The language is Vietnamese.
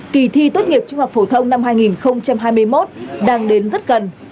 kỳ thi tốt nghiệp trung học phổ thông năm hai nghìn hai mươi một đang đến rất gần